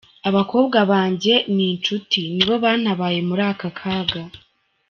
Abakobwa banjye n’inshuti nibo bantabaye muri aka kaga.